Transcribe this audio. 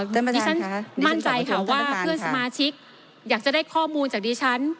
ดิฉันมั่นใจค่ะว่าเพื่อนสมาชิกอยากจะได้ข้อมูลจากดิฉัน